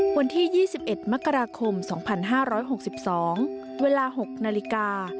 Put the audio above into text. วันที่๒๑มกราคม๒๕๖๒เวลา๖นาฬิกา